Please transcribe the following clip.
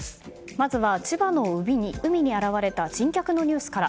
まずは千葉の海に現れた珍客のニュースから。